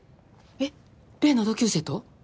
え例の同級生と？